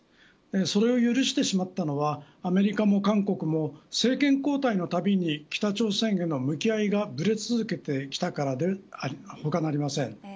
それを許してしまったのはアメリカも韓国も政権交代のたびに北朝鮮への向き合いがぶれ続けてきたことであること他なりません。